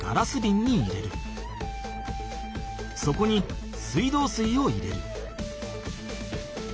そこに水道水を入れる。